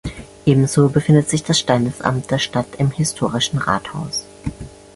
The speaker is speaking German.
Ebenso befindet sich das Standesamt der Stadt im historischen Rathaus.